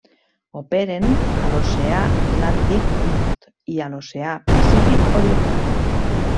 Operen a l'Oceà Atlàntic Nord i a l'Oceà pacífic oriental.